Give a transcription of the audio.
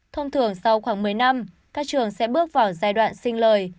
thông thường sau khoảng một mươi năm các trường sẽ bước vào giai đoạn sinh lời